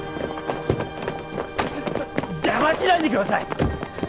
ちょ邪魔しないでください。